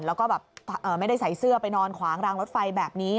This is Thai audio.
แล้วก็แบบไม่ได้ใส่เสื้อไปนอนขวางรางรถไฟแบบนี้